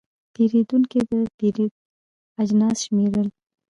پیرودونکی د پیرود اجناس شمېرل.